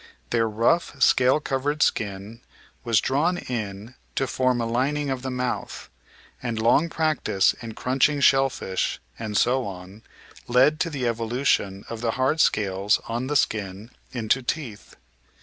Their rough scale covered skin was drawn in to form a lining of the mouth, and long prac tice in crunching shell fish, and so on, led to the evolution of the hard scales on the skin into teeth.